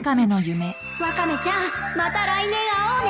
ワカメちゃんまた来年会おうね